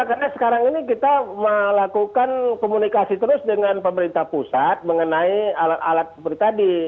karena sekarang ini kita melakukan komunikasi terus dengan pemerintah pusat mengenai alat alat seperti tadi